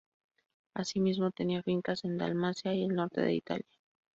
Así mismo, tenía fincas en Dalmacia y el Norte de Italia.